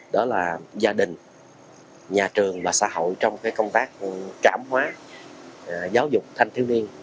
đó là gia đình nhà trường và xã hội trong công tác trảm hóa giáo dục thanh thiếu niên